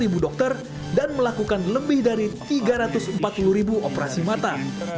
lima ribu dokter dan melakukan lebih dari tiga ratus empat puluh ribu operasi mata